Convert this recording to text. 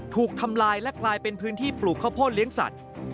ถูกทำลายและกลายเป็นพื้นที่ปลูกข้าวโพดเลี้ยงสัตว์